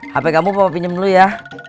hape kamu papa pinjem dulu ya